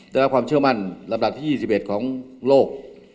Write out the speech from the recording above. ได้รับความเชื่อมั่นลำดับที่๒๑ของโลก